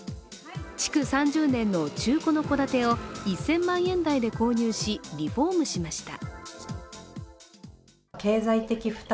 築３０年の中古の戸建てを１０００万円台で購入しリフォームしました。